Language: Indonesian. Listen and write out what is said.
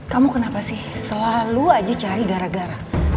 kamu kenapa sih selalu aja cari gara gara